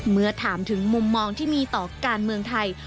เมื่อถามถึงมุมมองที่มีต่อการเมืองไทย